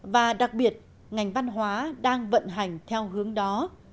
và đặc biệt ngành văn hóa đang vận hành theo hướng đó